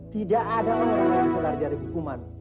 tidak ada orang yang selar dari hukuman